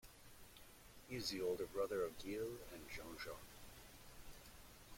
He is the older brother of Gilles and Jean-Jacques.